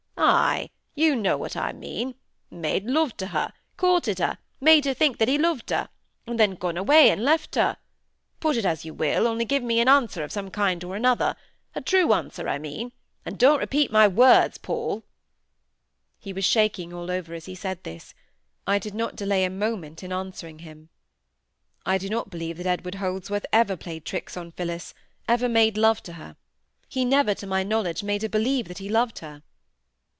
"Ay! you know what I mean: made love to her, courted her, made her think that he loved her, and then gone away and left her. Put it as you will, only give me an answer of some kind or another—a true answer, I mean—and don't repeat my words, Paul." He was shaking all over as he said this. I did not delay a moment in answering him,— "I do not believe that Edward Holdsworth ever played tricks on Phillis, ever made love to her; he never, to my knowledge, made her believe that he loved her."